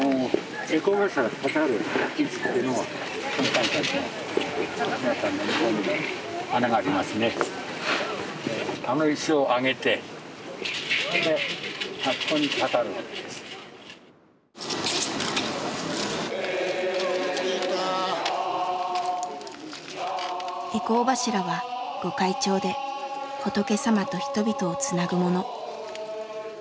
回向柱は御開帳で仏さまと人々をつなぐもの。